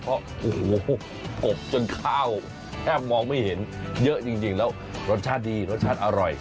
เพราะโอ้โหกบจนข้าวแทบมองไม่เห็นเยอะจริงแล้วรสชาติดีรสชาติอร่อย